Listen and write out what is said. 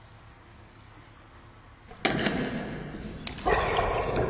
あっ。